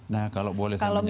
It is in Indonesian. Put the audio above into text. nah kalau boleh saya menyerahkan